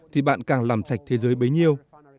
thì bạn càng làm sạch thế giới bấy nhiêu